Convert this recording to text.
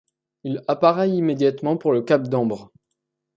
Il appareille immédiatement pour le cap d'Ambre.